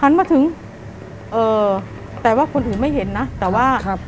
มาถึงเอ่อแต่ว่าคนอื่นไม่เห็นนะแต่ว่าครับ